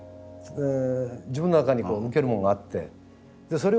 自分の中にこう向けるもんがあってそれをね